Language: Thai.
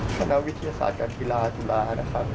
คณะวิทยาศาสตร์การกีฬาจุฬานะครับ